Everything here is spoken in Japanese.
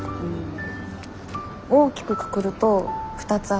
大きくくくると２つあって。